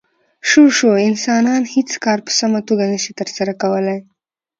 شو شو انسانان هېڅ کار په سمه توګه نشي ترسره کولی.